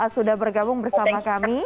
sudah bergabung bersama kami